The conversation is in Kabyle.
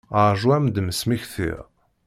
Rju ad m-d-smektiɣ.